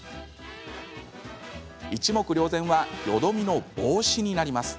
一目瞭然はよどみの防止になります。